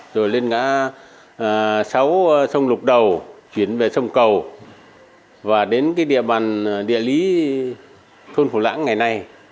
rồi lên ngã sáu sông lục đầu chuyển về sông cầu và đến địa bàn địa lý thôn phủ lãng ngày nay